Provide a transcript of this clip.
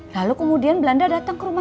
lalu kemudian belanda datang ke rumah